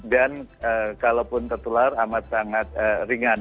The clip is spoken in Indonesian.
dan kalaupun tertular amat sangat ringan